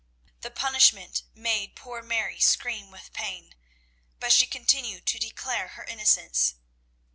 The punishment made poor Mary scream with pain, but she continued to declare her innocence.